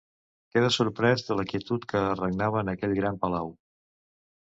Quedà sorprès de la quietud que regnava en aquell gran palau.